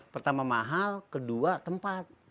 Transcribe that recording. pertama mahal kedua tempat